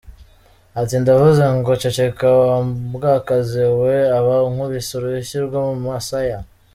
Ati “ndavuze ngo ceceka wambwakazi we, aba ankubise urushyi rwo mu musaya….